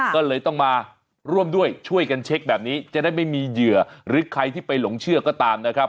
ก็เลยต้องมาร่วมด้วยช่วยกันเช็คแบบนี้จะได้ไม่มีเหยื่อหรือใครที่ไปหลงเชื่อก็ตามนะครับ